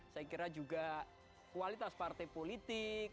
saya kira juga kualitas partai politik